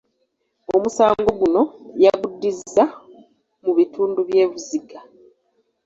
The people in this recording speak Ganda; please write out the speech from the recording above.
Omusango guno yaguddiza mu bitundu by’e Buziga.